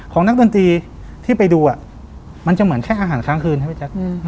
นักดนตรีที่ไปดูมันจะเหมือนแค่อาหารค้างคืนครับพี่แจ๊ค